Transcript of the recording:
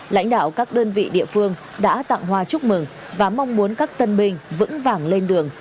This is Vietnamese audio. lãnh đạo các đơn vị địa phương đã tặng hoa chúc mừng và mong muốn các tân binh vững vàng lên đường